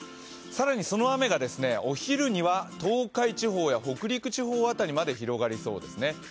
更にその雨がお昼には東海地方や北陸地方辺りまで広がりそうですね。